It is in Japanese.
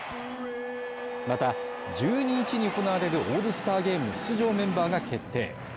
また１０日に行われるオールスターゲーム出場メンバーが決定。